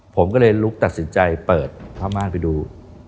ผมก็เลยลุกตัดสินใจเปิดผ้าม่านไปดู